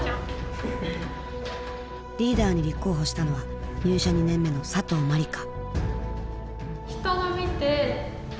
リーダーに立候補したのは入社２年目の佐藤茉莉香。